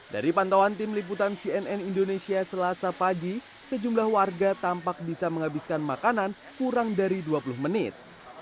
dari pantauan tim liputan cnn indonesia selasa pagi sejumlah warga tampak bisa menghabiskan makanan kurang dari dua puluh menit